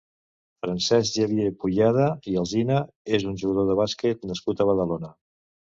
Francesc Xavier Puyada i Alsina és un jugador de bàsquet nascut a Badalona.